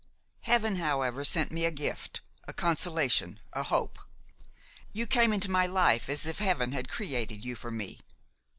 "Heaven however sent me a gift, a consolation, a hope. You came into my life as if Heaven had created you for me.